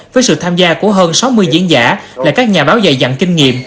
với sự tham gia của hơn sáu mươi diễn giả là các nhà báo dạy dặn kinh nghiệm